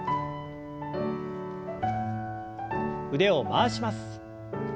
腕を回します。